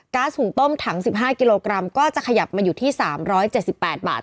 หุ่งต้มถัง๑๕กิโลกรัมก็จะขยับมาอยู่ที่๓๗๘บาท